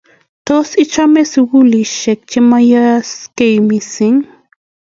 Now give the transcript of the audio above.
Tos, ichame sugulisheek chemayosen missing?